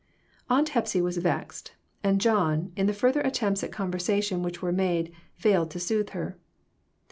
Aunt Hepsy was vexed, and John, in the fur ther attempts at conversation which were made, failed to soothe her.